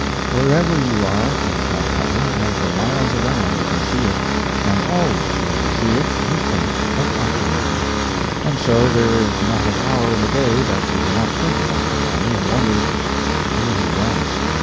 Wherever you are, in Calcutta, and for miles around, you can see it; and always when you see it you think of Ochterlony. And so there is not an hour in the day that you do not think of Ochterlony and wonder who he was.